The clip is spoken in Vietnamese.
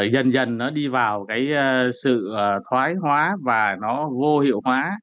dần dần nó đi vào cái sự thoái hóa và nó vô hiệu hóa